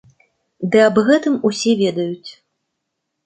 Ды аб гэтым усе ведаюць.